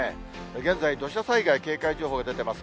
現在、土砂災害警戒情報が出てます。